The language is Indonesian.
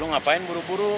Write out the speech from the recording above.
lo ngapain buru buru